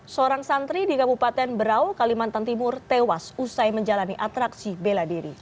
seorang santri di kabupaten berau kalimantan timur tewas usai menjalani atraksi bela diri